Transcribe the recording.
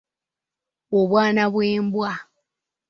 Obwana bw’embwa.